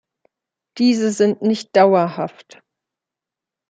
Diese sind nicht dauerhaft.